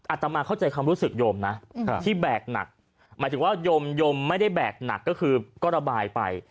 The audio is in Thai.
อาตมาเข้าใจความรู้สึกโยมนะที่แบกหนักหมายถึงว่าโยมโยมไม่ได้แบกหนักก็คือก็ระบายไป